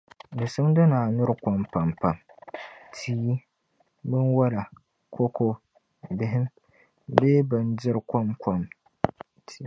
di simdi ni a nyuri kom pampam, tii, binwala, koko, bihim bee bindiri' komkom.